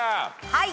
はい。